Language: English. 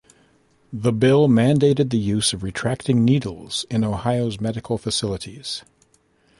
The bill mandated the use of retracting needles in Ohio's medical facilities.